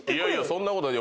そんなことない。